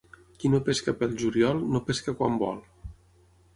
Qui no pesca pel juliol, no pesca quan vol.